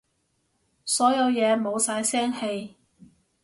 所有嘢冇晒聲氣